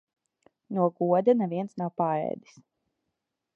No goda neviens nav paēdis.